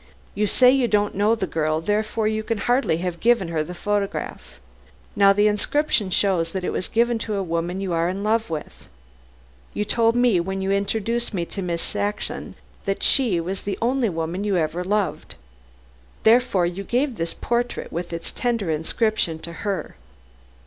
You say you don't know the girl, therefore you can hardly have given her the photograph. Now the inscription shows that it was given to a woman you are in love with. You told me when you introduced me to Miss Saxon that she was the only woman you ever loved. Therefore you gave this portrait with its tender inscription to her."